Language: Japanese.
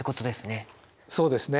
そうですね。